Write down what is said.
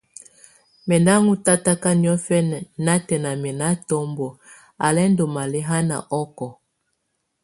Mɛ́ ná ŋɔ́ tataka niɔ̀fǝnà natɛna mɛ́ ná tɔmbɔ á lɛ́ ndɔ́ lalɛ́haná ɔkɔɔ.